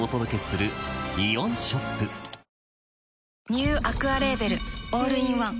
ニューアクアレーベルオールインワン